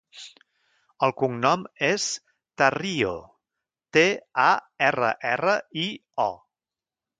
El cognom és Tarrio: te, a, erra, erra, i, o.